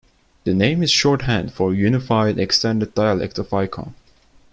The name is shorthand for Unified Extended Dialect of Icon.